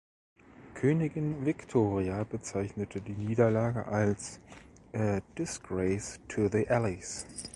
Königin Viktoria bezeichnete die Niederlage als „a disgrace to the Allies“.